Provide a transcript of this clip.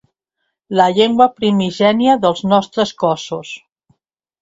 La llengua primigènia dels nostres cossos.